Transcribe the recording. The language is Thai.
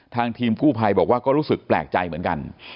ทีมกู้ภัยบอกว่าก็รู้สึกแปลกใจเหมือนกัน